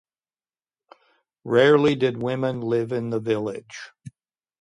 Rarely did women live in the village.